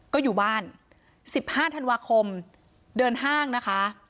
ก็อยู่บ้าน๑๕ธันวาคมเดินห้างนะคะ